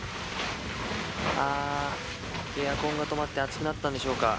エアコンが止まって暑くなったんでしょうか。